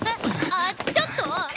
あっちょっと！